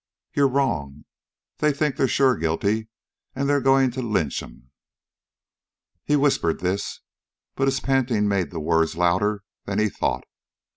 "You're wrong. They think they're sure guilty, and they're going to lynch 'em." He whispered this, but his panting made the words louder than he thought.